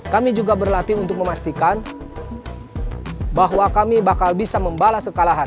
kami juga berlatih untuk memastikan bahwa kami bakal bisa membalas kekalahan